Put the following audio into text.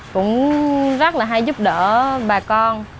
cũng rất là hay giúp đỡ bà con